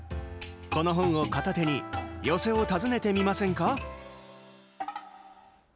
この本を片手に寄席を訪ねてみませんか？